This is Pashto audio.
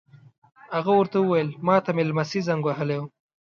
هغه ور ته وویل: ما ته مې نمسی زنګ وهلی و.